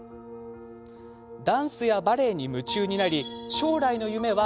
ダンスやバレエに夢中になり将来の夢は振付師。